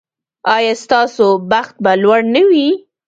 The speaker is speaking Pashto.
ایا ستاسو بخت به لوړ نه وي؟